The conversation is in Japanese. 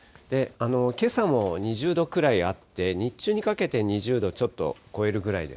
けさも２０度くらいあって、日中にかけて２０度ちょっと超えるぐ